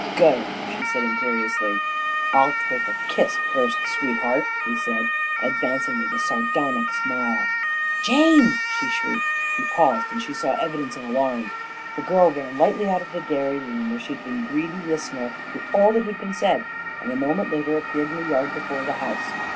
"Go!" she said imperiously. "I'll take a kiss first, sweetheart," he said, advancing with a sardonic smile. "Jane!" she shrieked. He paused, and she saw evidences of alarm. The girl ran lightly out of the dairy room, where she had been a greedy listener to all that had been said, and a moment later appeared in the yard before the house.